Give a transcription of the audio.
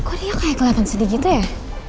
kok dia kayak kelapan sedih gitu ya